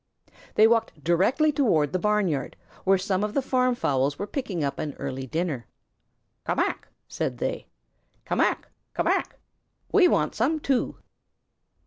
They walked directly toward the barnyard, where some of the farm fowls were picking up an early dinner. "Ca mac!" said they "Ca mac! Ca mac! We want some too."